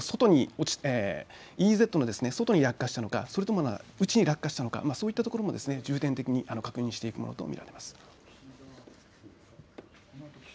やはり今回のミサイルがＥＥＺの外に落下したのかそれとも内に落下したのかそういったところも重点的に確認していくものと見られます。